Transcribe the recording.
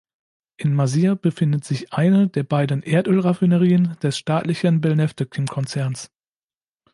In Masyr befindet sich eine der beiden Erdölraffinerien des staatlichen Belneftekhim-Konzerns.